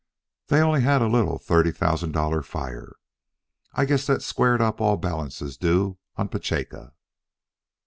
They only had a little thirty thousand dollar fire. I guess that squared up all balances due on Petacha."